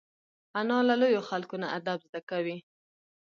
انا له لویو خلکو نه ادب زده کوي